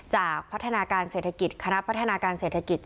จากพัฒนาการเศรษฐกิจคณะพัฒนาการเศรษฐกิจ